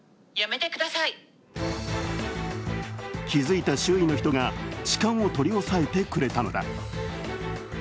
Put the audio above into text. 気づいた周囲の人が痴漢を取り押さえてくれたのだ。